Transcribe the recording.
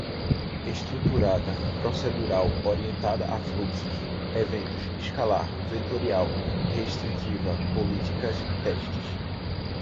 estruturada, procedural, orientada a fluxos, eventos, escalar, vetorial, restritiva, políticas, testes